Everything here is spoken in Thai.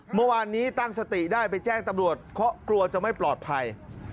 เมื่อวานนี้ตั้งสติได้ไปแจ้งตำรวจเพราะกลัวจะไม่ปลอดภัย